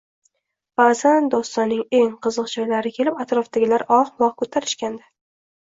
Baʼzan dostonning eng qiziq joylari kelib, atrofdagilar «oh-voh» koʼtarishganda